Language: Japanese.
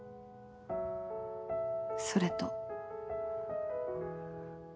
それと。